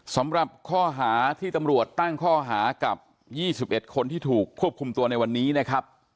สำหรับข้อหาที่ตำรวจตั้งข้อหากับ๒๑คนที่ถูกควบคุมตัวในวันนี้นะครับ